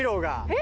え？